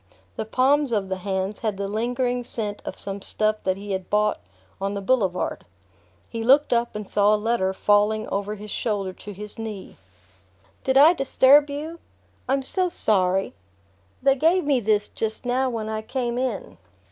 The palms of the hands had the lingering scent of some stuff that he had bought on the Boulevard...He looked up and saw a letter falling over his shoulder to his knee... "Did I disturb you? I'm so sorry! They gave me this just now when I came in."